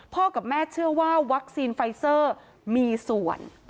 กับแม่เชื่อว่าวัคซีนไฟเซอร์มีส่วน